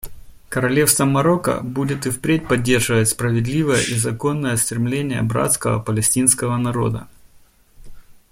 Королевство Марокко будет и впредь поддерживать справедливое и законное стремление братского палестинского народа.